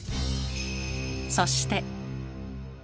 そして。